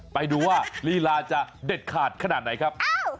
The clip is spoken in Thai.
ไปดูว่าลีลาจะเด็ดขาดขนาดไหนครับ